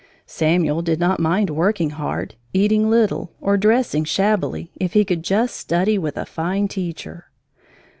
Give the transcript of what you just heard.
Samuel did not mind working hard, eating little, or dressing shabbily, if he could just study with a fine teacher.